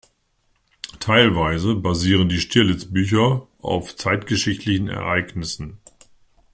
Teilweise basieren die Stierlitz-Bücher auf zeitgeschichtlichen Ereignissen.